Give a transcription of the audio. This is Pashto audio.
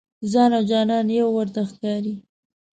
ځان او جانان یو ورته ښکاري.